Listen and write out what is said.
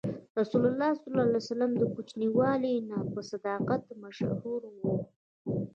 رسول الله ﷺ د کوچنیوالي نه په صداقت مشهور و.